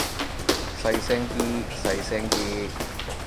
細聲啲，細聲啲